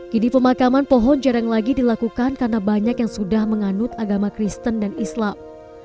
kini pemakaman pohon jarang lagi dilakukan karena banyak yang sudah menganut agama kristen dan islam